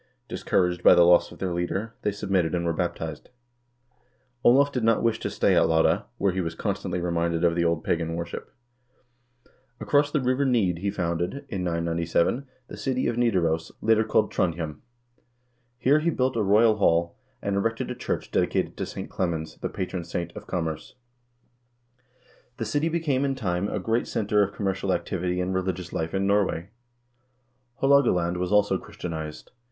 Discouraged by the loss of their leader, they submitted and were baptized. Olav did not wish to stay at Lade, where he was constantly re minded of the old pagan worship. Across the river Nid he founded, 1 Heimskringla, Olav Tryggvasomsaga, 68. OLAV TRYGGVASON 189 in 997, the city of Nidaros, later called Trondhjem. Here he built a royal hall, and erected a church dedicated to St. Clemens, the patron saint of commerce. The city became in time a great center of commercial activity and religious life in Norway.1 Haalogaland was also Christianized.